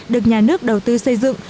được nhà nước đầu tư xây dựng